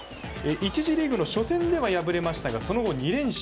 １次リーグの初戦では敗れましたがその後２連勝。